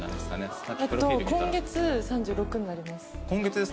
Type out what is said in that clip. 今月３６になります。